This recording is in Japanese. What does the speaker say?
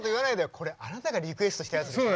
これあなたがリクエストしたやつでしょ？